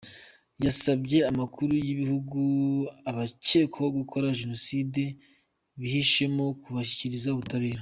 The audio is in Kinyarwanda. Yasabye abakuru b’ibihugu abakekwaho gukora Jenoside bihishemo kubashyikiriza ubutabera.